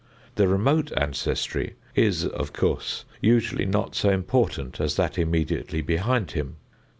The remote ancestry is, of course, usually not so important as that immediately behind him.